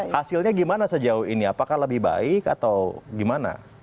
hasilnya gimana sejauh ini apakah lebih baik atau gimana